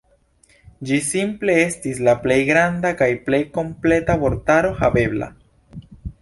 Ĝi simple estis la plej granda kaj plej kompleta vortaro havebla.